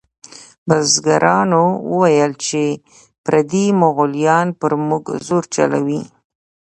بزګرانو ویل چې پردي مغولیان پر موږ زور چلوي.